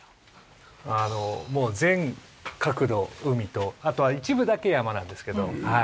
もう全角度海とあとは一部だけ山なんですけど。